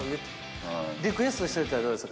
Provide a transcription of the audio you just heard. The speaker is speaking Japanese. リクエストしといたらどうですか？